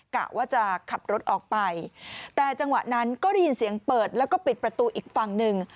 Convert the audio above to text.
กะว่าจะขับรถออกไปแต่จังหวะนั้นก็ได้ยินเสียงเปิดแล้วก็ปิดประตูอีกฝั่งหนึ่ง